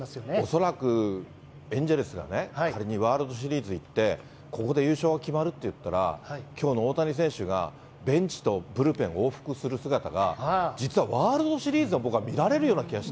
恐らくエンジェルスがね、仮にワールドシリーズ行って、ここで優勝が決まるっていったら、きょうの大谷選手がベンチでブルペン往復する姿が、実はワールドシリーズでも僕は見られるような気がして。